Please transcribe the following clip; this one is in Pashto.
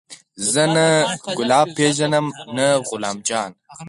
زه نه ګلاب پېژنم نه غلام جان.